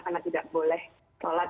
karena tidak boleh tolat